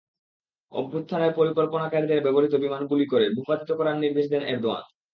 অভ্যুত্থানের পরিকল্পনাকারীদের ব্যবহৃত বিমান গুলি করে ভূপাতিত করার নির্দেশ দেন এরদোয়ান।